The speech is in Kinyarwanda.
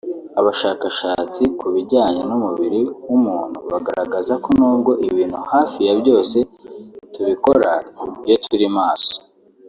Abashakashatsi ku bijyanye n’umubiri w’umuntu bagaragaza ko nubwo ibintu hafi ya byose tubikora iyo turi maso